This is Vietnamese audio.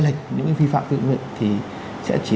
lệch những phi phạm tự nhiên thì sẽ chỉ